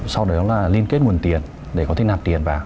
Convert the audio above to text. sau đó là liên kết nguồn tiền để có thể nạp tiền vào